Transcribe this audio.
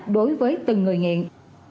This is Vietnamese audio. đối với từng người nghiện